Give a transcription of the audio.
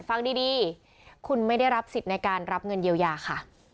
ฟังดีคุณไม่ได้รับสิทธิ์ในการรับเงินเยียวยาค่ะ